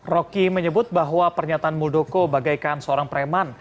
roky menyebut bahwa pernyataan muldoko bagaikan seorang preman